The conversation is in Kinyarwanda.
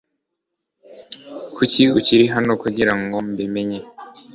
Kuki ukiri hano kugirango mbi menye